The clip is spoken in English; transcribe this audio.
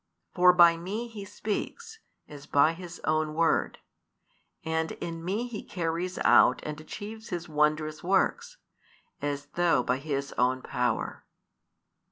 For by Me He speaks, as by His own Word; and in Me He carries out and achieves His wondrous works, as though by His own Power."